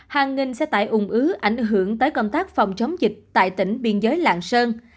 hàng nghìn xe tải ủng ứ ảnh hưởng tới công tác phòng chống dịch tại tỉnh biên giới lạng sơn